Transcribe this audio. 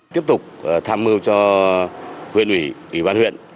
tiếp tục tham mưu cho huyện ủy ủy ban huyện